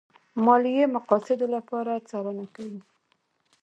ماليې مقاصدو لپاره څارنه کوي.